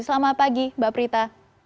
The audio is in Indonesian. selamat pagi mbak prita